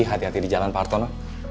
hati hati di jalan pak hartono